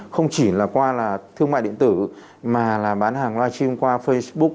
không chỉ là qua là thương mại điện tử mà là bán hàng live stream qua facebook